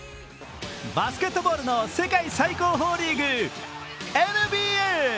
バスケットボールの世界最高峰リーグ・ＮＢＡ。